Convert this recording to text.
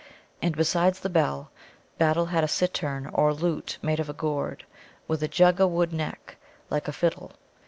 And besides the bell, Battle had a cittern, or lute, made of a gourd, with a Jugga wood neck like a fiddle.